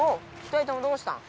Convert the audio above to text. ２人ともどうしたん？